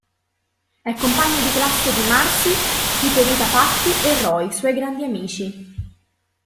È compagno di classe di Marcie, Piperita Patty e Roy, suoi grandi amici.